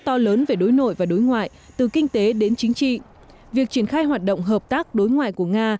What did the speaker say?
nước nga là một nước to lớn về đối nội và đối ngoại từ kinh tế đến chính trị việc triển khai hoạt động hợp tác đối ngoại của nga